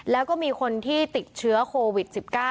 แล้วก็มีคนที่ติดเชื้อโควิด๑๙